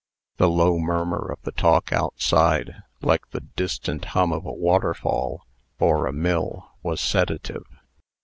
The low murmur of the talk outside, like the distant hum of a waterfall or a mill, was sedative.